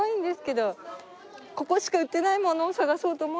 ここしか売ってないものを探そうと。